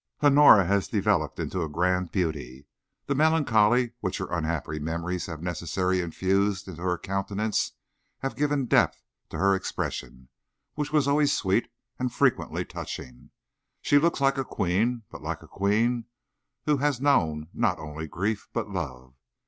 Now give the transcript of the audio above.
Honora has developed into a grand beauty. The melancholy which her unhappy memories have necessarily infused into her countenance have given depth to her expression, which was always sweet, and frequently touching. She looks like a queen, but like a queen who has known not only grief, but love.